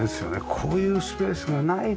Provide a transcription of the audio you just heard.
こういうスペースがないと。